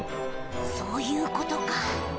そういうことか。